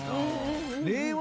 令和。